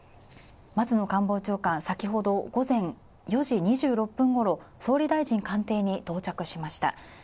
松野官房長官、先ほど午前４時２６分ごろ、総理大臣官邸に到着しました。